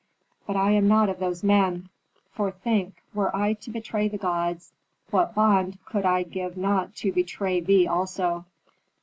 But I am not of those men. For think, were I to betray the gods, what bond could I give not to betray thee also?"